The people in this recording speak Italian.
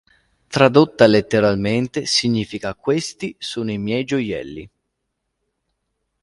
Tradotta letteralmente, significa "Questi sono i miei gioielli".